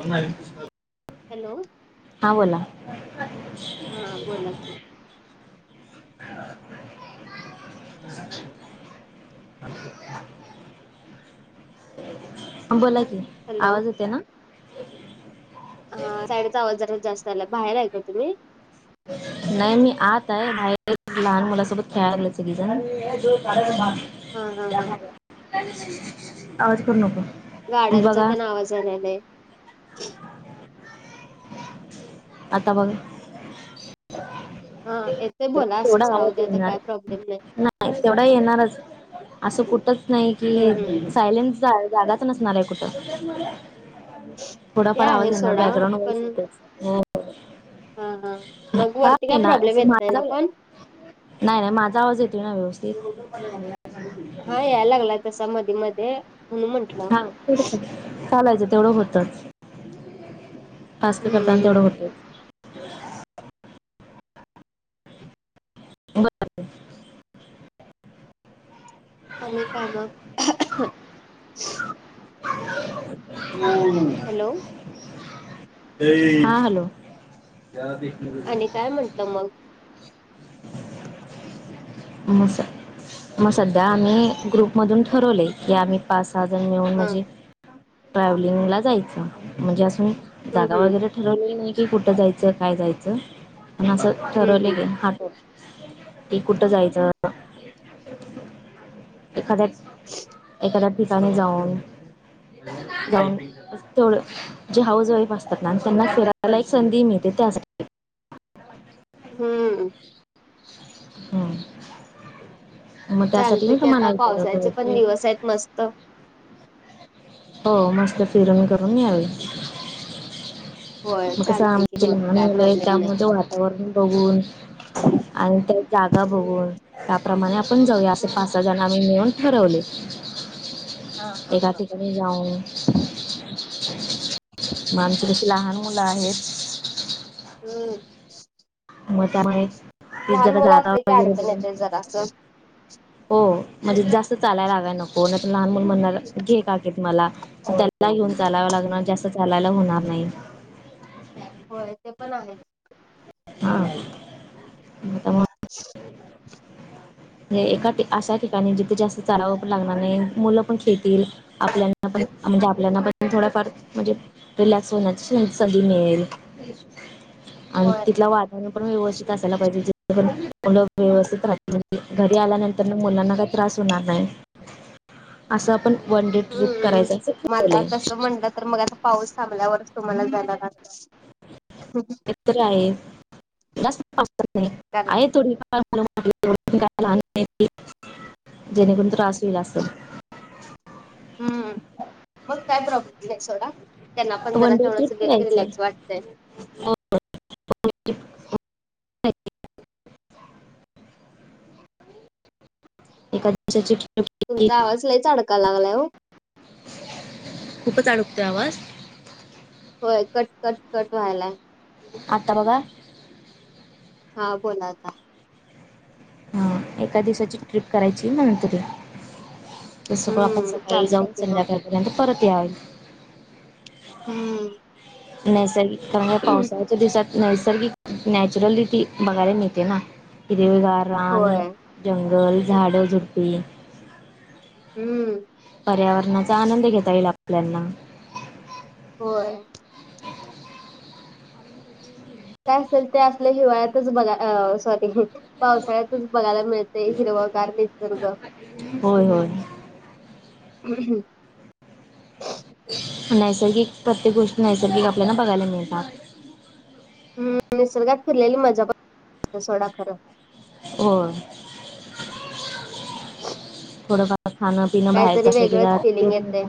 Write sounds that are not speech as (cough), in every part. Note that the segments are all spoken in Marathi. हो (unintelligible) हॅलो. हा बोला. हा बोला की. बोला कि हॅलो आवाज येते ना. हा साईडचा आवाज जरा जास्त आला बाहेर ऐको तुम्ही (inaudible) नाही मी आत आहे बाहेर लहान मुलासोबत खेळायला लागलेत सगळेजण. हा हा हा आवाज कर नको (inaudible) गाड्यांचा बघा त्यांना आवाज यायला लागलाय. आता बघ हा येतोय बोला (inaudible) ड असंच राहू दे आता आचणार काय प्रॉब्लेम (unintelligible) नाही तेवढा येणारच असं कुठंच नाही हम्म हम्म की सायलेनचा जागाच नसणार आहे कुठं. ते थोडाफार आवाज आहे ना सोडा बॅकग्राऊंड व्हॉईस पण येते. हा हा मग वरती काय ना प्रॉब्लेम असे येत नाही माझा (unintelligible) ना पण नाही नाही माझा आवाज येतो ना व्यवस्थित हा या लागलाय तसा मध्ये मध्ये म्हणून म्हंटलं हा ते चालायचं तेवढं होतच (unintelligible) टास्क करताना हम्म तेवढं होत. बर (unintelligible) आणि काय मग? हम् (inaudible) हॅलो. हा हॅलो (inaudible) आणि काय म्हटलं मग मग स मग सध्या आम्ही ग्रुपमधून ठरवले या आम्ही पाच सहा जनी मिळून हा म्हणजे ट्रॅव्हलिंग ला जायचं म्हणजे अजून हम्म जागा हम्म वगैरे ठरवले नाही की कुठं जायचं काय जायचं पण असं हम्म ठरवलं हम्म क ह ते कुठं जायचं (inaudible) एखाद्या एखाद्या ठिकाणी जाऊन जाऊन थोड जे हाऊस वाईफ असतात ना त्यांना फिरायला एक संधी मिळते त्यासाठी हम्म. हम्म. चालत की आता पावसाचे पण दिवस आहेत मस्त. हो मस्त फिरून करून यावे. होय म चालते की मग काय साहाय्यानं एढता प्रॉब्लेम मु नाही. वा (unintelligible) वातावरण बघून आणि त्या जागा बघून (unintelligible) त्याप्रमाणे आपण जाऊया असे हम्म पाच सहाजण म्ही मिळून ठरवले (inaudible) हा, हा, एका हा जाऊन मग आमची तशी लहान मुलं आहेत (inaudible) हम्म. मग त्यामुळे तेच लहान जरा मुलं जात असले की वगैरे अडचण येते जरासं. हो म्हणजे जास्त चालायला लागायला नको नाही तर लहान मूल म्हणणार घे का मला त्याला घेऊन चालाव लागणार जास्त चालायला होणार नाही. होय ते पण आहेच. हा, (unintelligible) (unintelligible) एका अशा ठिकाणी जिथे जास्त चलावर लागणार नाही मुलं पण खेळतील आपल्या पण म्हणजे आपल्याना पण थोडफार म्हणजे रिलॅक्स होण्याची सधी मिळेल (inaudible) आणि होय तिथलं वातावरण पण व्यवस्थित असायला पाहिजे जेणेकरून व्यवस्थितपणे राह घरी आल्यानंतर मुलांना काही त्रास होणार नाही, असं आपण वन डे ट्रिप हम्म. करायचं असं मग आता ठवलं तसं म्हणलं तर मग आता पाऊस थांबल्यावरच तुम्हाला जायला लागत. (unintelligible) इथं आहे, जास्तस नाही कारण आहे थोडी फार (unintelligible) जेणेकरून त्रास होईल असं. हम्म मग काय प्रॉब्लेम नाही सोडा, त्यांना पण जरा वन डे तेवड ट्रिप करायचं रिलॅक्स वाटत (unintelligible) एका दिवसाची ट तुमचा आवाज लईच अडका लागलाय ओ (unintelligible) (inaudible) खूप अडकतोय आवाज? होय कट, कट, कट व्हायला, आत्ता बघा, हा बोलाता, हा एका दिवसाची ट्रिप करायची म्हणत होती. (inaudible) स आपण हम्म सकाळी चालतंय जाऊन की मग संध्याकाळपर्यंत परत यावेल हम्म, नैसर्गिक कारण पावसाळच्या दिवसात नैसर्गिक नॅचरलि ती बघायला मिळते ना हिरवेगार रान होय जंगल झाडं झुडपी हम्म, पर्यावरणाचा आनंद घेता येईल आपल्याना होय, काय असेल ते असलं हिवाळ्यातच बघाय सॉरी पावसाळ्यातच बघायला मिळते. ते हिरवा गार्दजदुर्ग. होय, होय. (unintelligible) नैसर्गिक प्रत्येक गोष्टी नैसर्गिक आपल्याला बघायला मिळतात. हम्म निसर्गात फिरलेली मजा पण (inaudible) सोडा खरं. होय, थोडंफार खाणं पिणं बाहेरचं काहीतरी अस की वेगळंच ज ते फिलिंग येते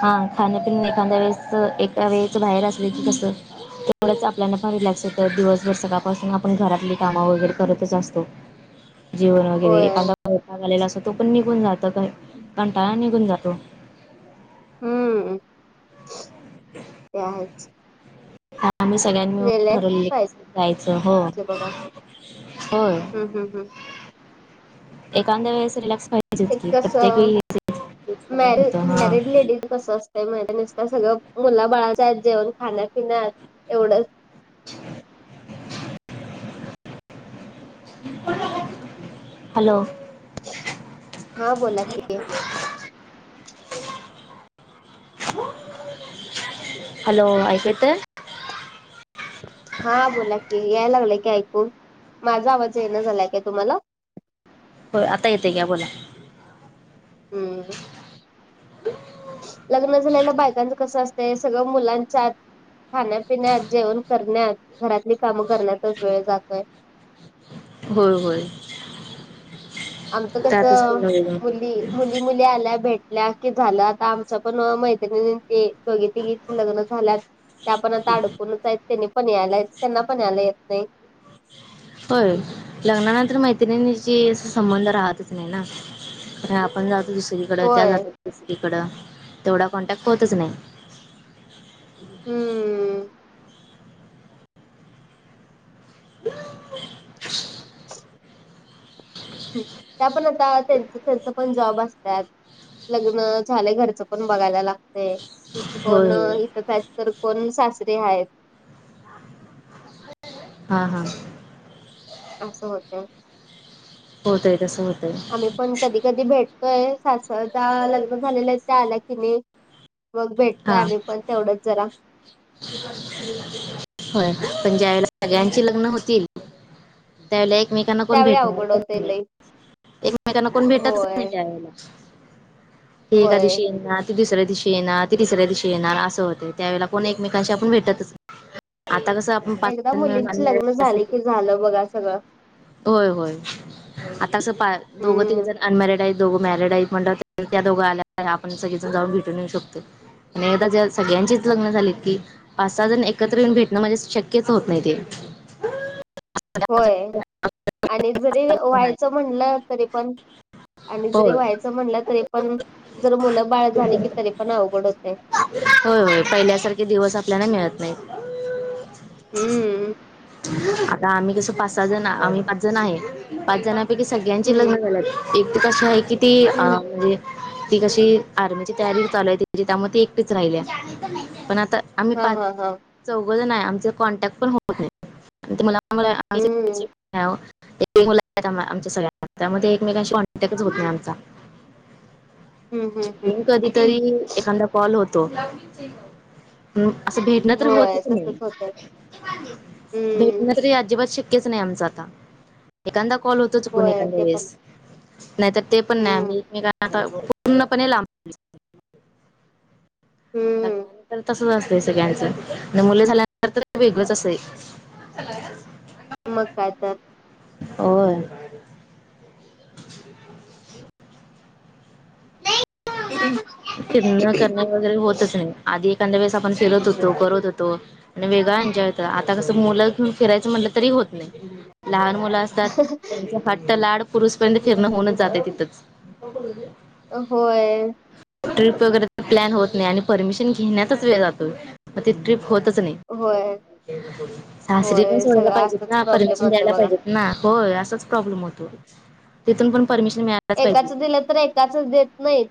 हा खाण्यापिण्या एखाद्या वेळेस एका वेळेच बाहेर असली की कस तेवढंच आपल्याला फार रिलॅक्स होतं दिवसभर सकाळपासून आपण घरातली कामं वगैरे करतच असतो. (inaudible) जीवन वगैरे होय एखादा आलेला अस तो पण निघून जातो कंटाळा निघून जातो. हम्म, (inaudible) त्या आहेत. आम्ही सगळ्यांनी मिळून रिलॅक्स ठरवली क पाहिजे जायचं हो, होय हम् हम् हम, एखाद्याेळेस रिक्स व एक कस, मॅर होत हा मॅरिड लेडीज कस असत ते म्हणिन नसत सगळं मुलं बाळाच्या आहेत जेवण खाण्यापिण्यात एवढंच (unintelligible) (unintelligible) हॅलो, हा बोला कि, (unintelligible) हॅलो एकू येते? हां. बोला की. याय लागलंय की ऐकू. माझा आवाज येईना झालाय काय तुम्हाला? होय. आता येतय घ्या बोला. हूं. लग्न झाल्याला बायकांचं कसं असतंय सगळं मुलांच्यात- खाण्यापिण्यात, जेवण करण्यात, घरातली कामं करण्यातच वेळ जातोय. होय होय. आमचं कस. त्यातच पूर्ण मुली, वेळ मुली मु आल्या भेटल्या की झालं. आता आमच्या पण मैत्रिणीची दोघी तिघींची लग्न झाल्यात. ते आपण आता अडकूनच आहेत. त्यांनी पण यायला, त्यांना पण यायला येत नाही. व्हय, लग्नानंतर मैत्रिणीची संबंध राहतच नाही ना. (unintelligible) आपण जातो दुसरीकडं, त्या होय जात्यात तिसरीकडं, तेवढा कॉन्टॅक्ट होतच नाही. हूं हूं हूं. त्या पण आता त्येंच त्येंच पण जॉब असत्यात. लग्न झालय. घरच पण बघायला लागतय. होय कोण होय इथं काय तर कोण सासरे आहेत. आं हां. आमचं होतं. होतय, तसं होतय. आम्ही पण कधी कधी भेटतोय सासरच्या ज्या लग्न झालेल्या आहे त्या आल्या कीनई. मग भेटतोय आम्ही पण, तेवढंच जरा. (unintelligible) व्हय. पण ज्या येळेला सगळ्यांची लग्न होतील त्यायेळला एकमेकांना कोण त्यावेळी भेटणार अवघड पण होतय नाई. लई एकमेकांना त्याना कोण भेटतच नाही होय त्या यळला. ती एका होय दिवशी येणार. ती दुसऱ्या दिवशी येणार, ती तिसऱ्या दिवशी येणार, असं होतय. त्या वेळेला कोण एकमेकांशी आपण भेटतच नाही. आता कसं आ एकदा मुलींची लग्नं झाले की झालं बघा सगळं. होय होय. आता कसं पा दोघ हम्म तिघजण अनमॅरिड आहेत, दोघं मॅरिड आहेत, म्हटल्याव त्या दोघं आल्याव आपण सगळेजण जाऊन भेटून येऊ शकतो. एकदा ज्या सगळ्यांचीच लग्न झाली की, पाच सहाजण एक एकत्र येऊन भेटणं म्हणजे शक्यच होत नाही ते. व्हय. आणि जरी व्हायचं म्हणलं तरी पण आणि जरी होय व्हायचं म्हणलं तरी पण, जर मुलं बाळ झाली की तरी पण अवघड होतय. (unintelligible) व्हय व्हय, पहिल्यासारखे दिवस आपल्याला मिळत नाहीत. हम्म (unintelligible) आता आम्ही कस पाच सहाजण, आम्ही पाच जण आहे. पाच जण की सगळ्यांची हम्म लग्न झाल्यात. एकटीच अस आहे की ती अं हम्म म्हणजे ती कशी आर्मीची तयारी चालू आहे तिची. त्यामुळे ती एकटीच राहिलीया, पण आता आम्ही हा पाच हा हा चौघजण हाय. आमच कॉन्टॅक्ट पण होत नस. की मला हम्म (unintelligible) एकेक मुलगा अकॅडेमीत हाय आमच्या सगळ्यांचा त्यामध्ये एकमेकांशी कॉन्टॅक्टच होत नाही आमचा. हम्म हम्म हम्म अं कधीतरी एकांदा कॉल होतो. (unintelligible) हं भेटण तर होय होतच नाही. तसच होतय हम्म भेटण तर अजिबात शक शक्यच नाही आमच आता. एखांदा कॉल होतो चुकून होय एखाद्या ते पण वेळेस. नाही तर ते पण नाही हम्म आमी एकमेकांना आता पूर्ण पणे लांब हूं लग्नानंतर तसच असतंय सगळ्यांचं, न मुलं झाल्यानंतर तर वेगळंच असतंय. (unintelligible) मग काय तर? अं. (unintelligible) फिरण करणं वगैरे होतच नाही. आधी एखांद् वेळेस आपण फिरत होतो करत होतो. आणि वेगळा एन्जॉय होत आता कसं मुलं घेऊन फिरायचं म्हटलं तरी होत नाही लहान मुलं अस. त्यां फट्ट लाड पुरुषपर्यंत फिरण होऊन जाते तिथंच. होय. ट्रिप वगैरेचा प्लॅन होत नाही आणि परमिशन घेण्याचाच वेळ जातोय मग ते ट्रिप होतच नाही. होय सासरी पण होय सोडायला सगळं पाहिजेत असच ना प्रॉब्लेम परमिशन होते द्यायला बघा पाहिजेत. ना होय असाच प्रॉब्लेम होतो तिथून पण परमिशन मिळा. एकाच दिलं तर एकाचच देत नाही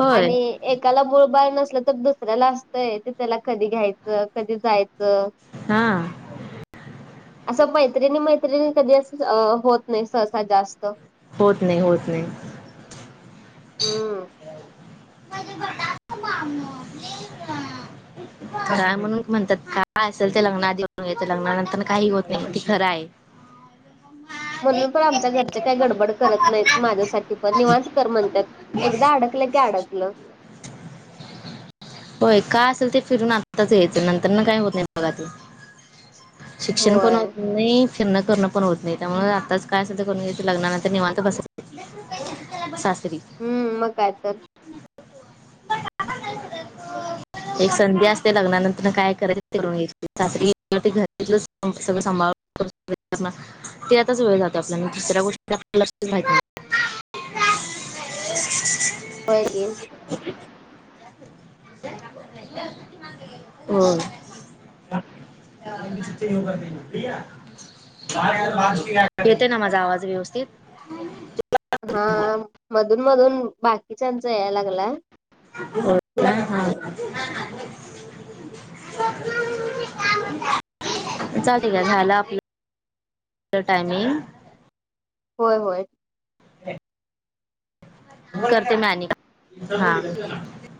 होय आणि एकाला मुळबाळ नसल तर दुसऱ्याला असतंय ते त्याला कधी घ्यायचं कधी जायचं. हा (unintelligible) असं मैत्रिणी मैत्रिणी कधी होत नाही सहसा जास्त होत नाही होत नाही. हम्म. (unintelligible) खरा म्हणून म्हणतात काय असेल ते लग्ना देऊन घेत लग्नानंतर काही होत नाही ती खरं आहे. म्हणून पण आमच्या घरचे काही गडबड करत नाहीत माझ्यासाठी पण निवांतकर म्हणतात एकदा अड क अडकलं. होय काय असेल ते फिरून आताच येतं नंतर ना काय होत नाही बघा ते शिक्षण पण होय होत नाही. खिर््ण करण पण होत नाही त्यामुळे आताच काय अस कर घ लग्नानंतर निवांत बस. स्री. हम्म मग काय तर (inaudible) एक संधी असते लग्नानंतर काय करायच सरी घरी सगळं सांभाळ ते आताच वेळ जाते आपल्याला दुसऱ्या गोष्टील्या माहिती (inaudible) होे. हो. कर दे. येतय ना माझा आवाज व्यवस्थित ह. हा मधून मधून बाकीच्यांचा याय लागला. हो. चा ठीक आहे झाला आपली टायमिंग होय होय. करते मॅन हा.